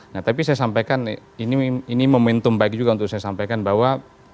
nah tapi saya sampaikan ini momentum baik juga untuk saya sampaikan bahwa